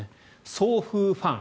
送風ファン。